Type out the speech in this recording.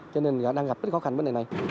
cho nên đang gặp khó khăn vấn đề này